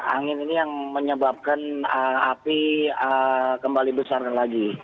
angin ini yang menyebabkan api kembali besarkan lagi